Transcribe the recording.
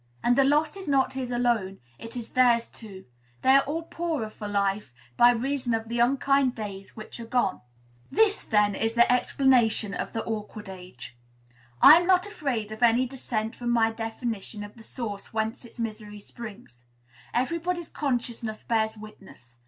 And the loss is not his alone, it is theirs too; they are all poorer for life, by reason of the unkind days which are gone. This, then, is the explanation of the awkward age. I am not afraid of any dissent from my definition of the source whence its misery springs. Everybody's consciousness bears witness.